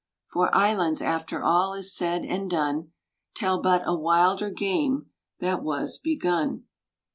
For islands, after all is said and done. Tell but a wilder game that was begun.